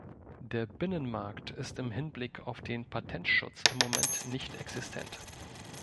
Der Binnenmarkt ist im Hinblick auf den Patentschutz im Moment nicht existent.